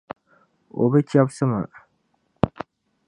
O bi chɛbisi ma.